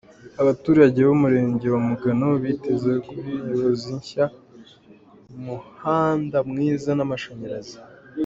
Abaturage b’umurenge wa Mugano biteze kuri nyobozi nshya muhanda mwiza n’amashanyarazi.